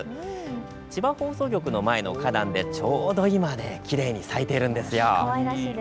千葉放送局の前の花壇でちょうど今きれいに咲いているんですよ。